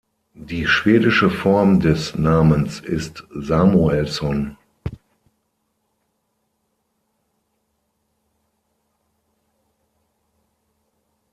Die schwedische Form des Namens ist Samuelsson.